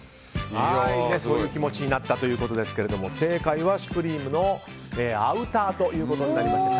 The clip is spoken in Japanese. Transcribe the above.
こういう気持ちになったということですが正解はシュプリームのアウターということになりました。